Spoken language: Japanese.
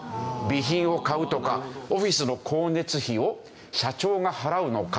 備品を買うとかオフィスの光熱費を社長が払うのかっていう。